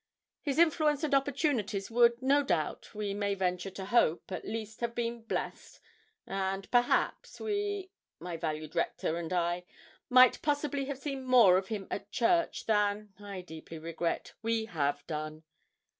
His influence and opportunities would, no doubt, we may venture to hope, at least have been blessed; and, perhaps, we my valued rector and I might possibly have seen more of him at church, than, I deeply regret, we have done.'